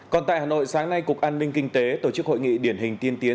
còn tại hà nội sáng nay cục an ninh kinh tế tổ chức hội nghị điển hình tiên tiến